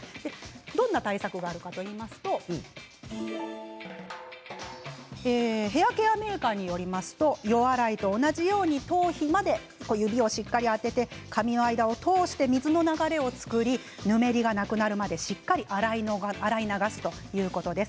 どんな対策があるかといいますとヘアケアメーカーによりますと予洗いと同じように、頭皮まで指をしっかり当てて、髪の間を通して、水の流れを作りぬめりがなくなるまでしっかり洗い流すということです。